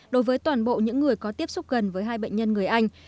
đối với toàn bộ những người có tiếp xúc gần với hai bệnh nhân người anh